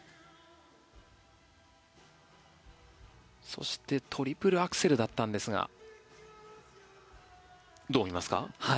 そしてトリプルアクセルだったんですがどう見ますか？